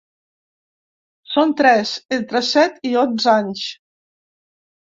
Són tres, entre set i onze anys.